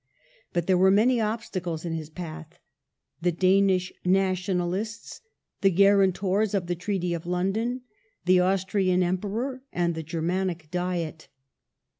But there were many obstacles in his path : the Danish nationalists ; the guarantors of the Treaty of London ; the Austrian Emperor, and the Germanic Diet.